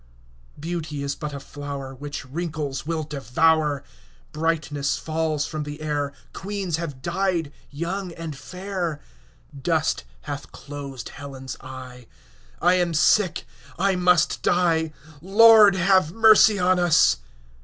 Beauty is but a flower 15 Which wrinkles will devour; Brightness falls from the air; Queens have died young and fair; Dust hath closed Helen's eye; I am sick, I must die— 20 Lord, have mercy on us!